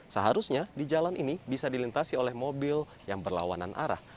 seharusnya di jalan ini bisa dilintasi oleh mobil yang berlawanan arah